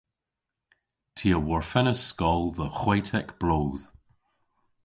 Ty a worfennas skol dhe hwetek bloodh.